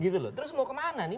terus mau kemana nih